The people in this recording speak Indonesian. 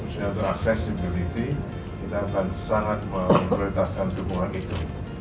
sehingga teraksesibility kita akan sangat memperluatkan dukungan itu